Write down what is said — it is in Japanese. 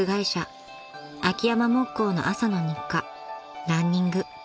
秋山木工の朝の日課ランニング］